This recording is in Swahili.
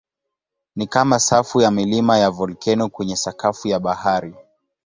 Ni kama safu ya milima ya volkeno kwenye sakafu ya bahari.